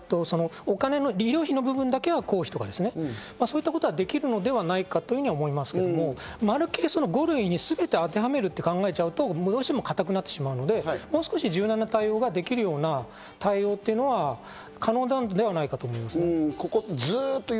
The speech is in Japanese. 医療費の部分だけは公費とか、そういったことはできるのではないかというふうに思いますけど、全て５類に当てはめちゃうと固くなってしまうので、もう少し柔軟な対応ができるような対応というのは可能なのではないかと思います。